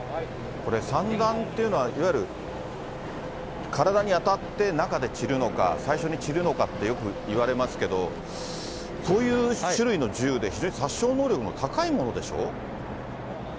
これ、散弾っていうのは、いわゆる体に当たって、中で散るのか、最初に散るのかって、よくいわれますけど、そういう種類の銃で、非常に殺傷能力も高いものでしょう？